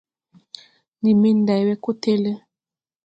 Ndi men nday wee ko télé.